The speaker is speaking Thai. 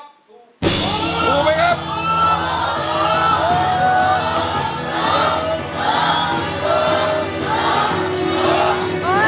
ถูกไหมครับ